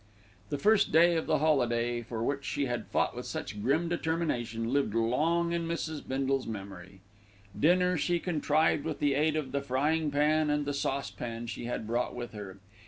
That first day of the holiday, for which she had fought with such grim determination, lived long in Mrs. Bindle's memory. Dinner she contrived with the aid of the frying pan and the saucepan she had brought with her.